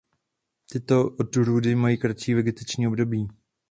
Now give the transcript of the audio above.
Tyto odrůdy mají kratší vegetační období.